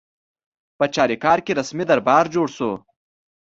په چاریکار کې رسمي دربار جوړ شو.